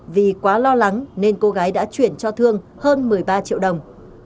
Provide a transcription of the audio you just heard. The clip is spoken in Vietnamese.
vì quá lo lắng nên cô gái đã chuyển cho thương hơn một mươi ba triệu đồng